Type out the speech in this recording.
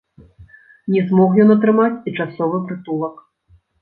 Не змог ён атрымаць і часовы прытулак.